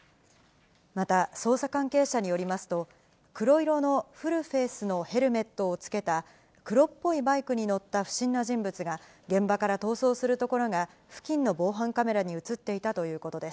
また、捜査関係者によりますと、黒色のフルフェースのヘルメットをつけた黒っぽいバイクに乗った不審な人物が、現場から逃走するところが、付近の防犯カメラに写っていたということです。